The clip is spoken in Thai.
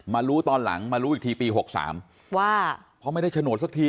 รู้ตอนหลังมารู้อีกทีปี๖๓ว่าเพราะไม่ได้โฉนดสักที